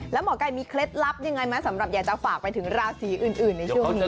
แล้วหมอไก่มีเคล็ดลับยังไงไหมสำหรับอยากจะฝากไปถึงราศีอื่นในช่วงนี้